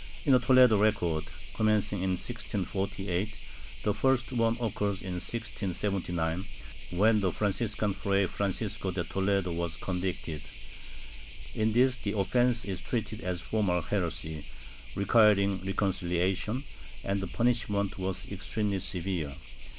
In a Toledo record, com mencing in 1648, the first one occurs in 1679, when the Franciscan Fray Francisco de Toledo was convicted. In this the offence is treated as formal heresy, requiring reconcihation, and the punish ment was extremely severe.